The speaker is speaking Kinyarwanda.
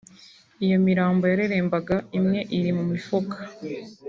Iyo mirambo yarerembaga imwe iri mu mifuka